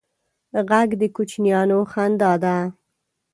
غږ د کوچنیانو خندا ده